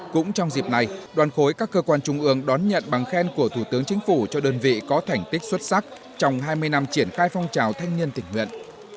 cũng trong dịp này đoàn khối các cơ quan trung ương đón nhận bằng khen của thủ tướng chính phủ cho đơn vị có thành tích xuất sắc trong hai mươi năm triển khai phong trào thanh niên tình nguyện